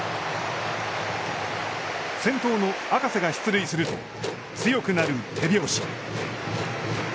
先頭の赤瀬が出塁すると強くなる手拍子。